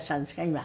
今。